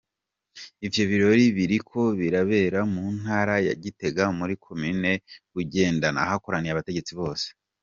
Ivyo birori biriko birabera mu ntara ya Gitega, muri komine Bugendana ahakoraniye abategetsi bose.